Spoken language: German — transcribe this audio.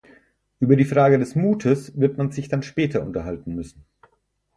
Über die Frage des Mutes wird man sich dann später unterhalten müssen.